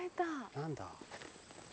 何だ？